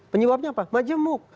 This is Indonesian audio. penyebabnya apa majemuk